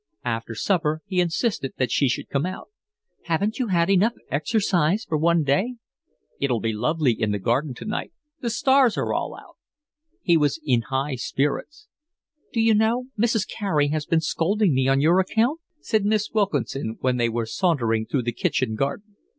After supper he insisted that she should come out. "Haven't you had enough exercise for one day?" "It'll be lovely in the garden tonight. The stars are all out." He was in high spirits. "D'you know, Mrs. Carey has been scolding me on your account?" said Miss Wilkinson, when they were sauntering through the kitchen garden.